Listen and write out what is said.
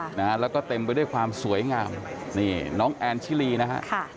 นะฮะแล้วก็เต็มไปด้วยความสวยงามนี่น้องแอนชิลีนะฮะค่ะ